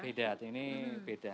beda ini beda